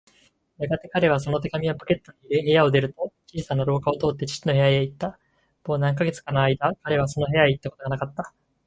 やがて彼はその手紙をポケットに入れ、部屋を出ると、小さな廊下を通って父の部屋へいった。もう何カ月かのあいだ、彼はその部屋へいったことがなかった。